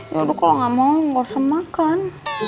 ya bu kalau nggak mau nggak usah makan